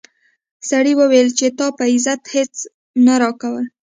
سړي وویل چې تا په عزت هیڅ نه راکول.